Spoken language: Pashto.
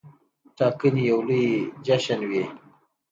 ټاکنې یو لوی جشن وي.